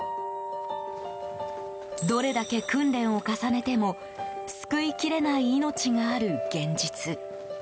どれだけ訓練を重ねても救いきれない命がある現実。